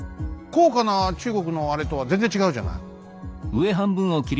高価な中国のあれとは全然違うじゃない。